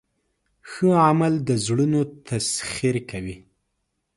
ښه عمل د زړونو تسخیر کوي.